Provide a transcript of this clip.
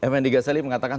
mnd gaseli mengatakan